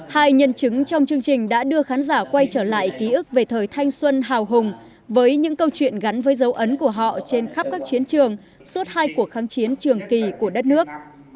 hai nhân chứng trong chương trình đã đưa khán giả quay trở lại ký ức về thời thanh xuân hào hùng với những câu chuyện gắn với dấu ấn của họ trên khắp các chiến trường suốt hai cuộc kháng chiến trường kỳ của đất nước